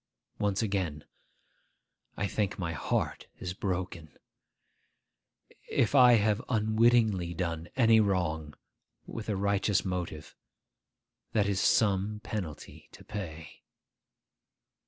Once again, I think my heart is broken. If I have unwittingly done any wrong with a righteous motive, that is some penalty to pay.